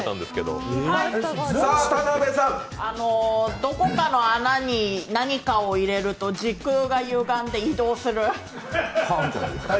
どこかの穴に何かを入れると時空がゆがんで移動する？